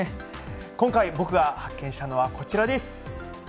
今回、僕が発見したのはこちらです。